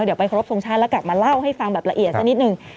เดี๋ยวไปครบทรงชาติแล้วกลับมาเล่าให้ฟังแบบละเอียดสักนิดหนึ่ง